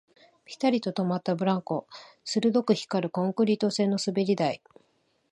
ピタリと止まったブランコ、鈍く光るコンクリート製の滑り台